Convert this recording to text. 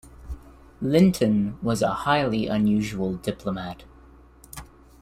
Linton was a highly unusual diplomat.